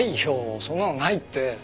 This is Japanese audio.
そんなのないって。